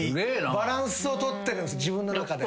バランスをとってる自分の中で。